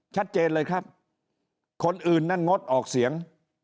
ชัดเจนเลยครับคนอื่นนั้นงดออกเสียง